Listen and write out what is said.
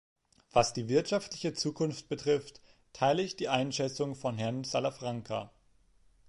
Was die wirtschaftliche Zukunft betrifft, teile ich die Einschätzung von Herrn Salafranca.